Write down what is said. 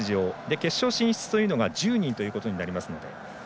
決勝進出というのが１０人となりますので。